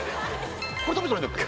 これ食べてないんだっけ？